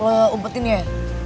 lo umpetin ya